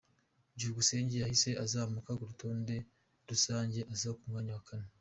Byukusenge yahise azamuka ku rutonde rusange aza ku mwanya wa kane.